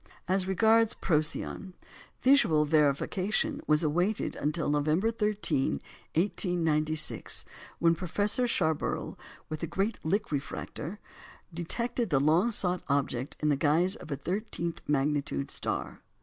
As regards Procyon, visual verification was awaited until November 13, 1896, when Professor Schaeberle, with the great Lick refractor, detected the long sought object in the guise of a thirteenth magnitude star.